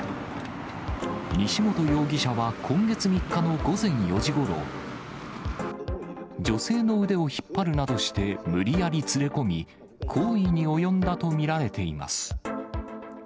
西本容疑者は今月３日の午前４時ごろ、女性の腕を引っ張るなどして、無理やり連れ込み、行為に及んだと見られています。